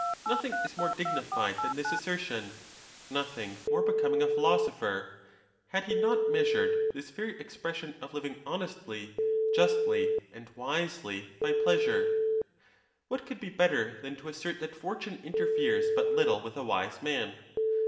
Nothing is more dignified than this assertion, nothing more becoming a philosopher, had he not measured this very expression of living honestly, just ly, and wisely by pleasure. What could be better than to assert that fortune interferes but little with a wise man?